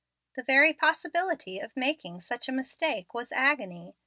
The very possibility of making such a mistake was agony.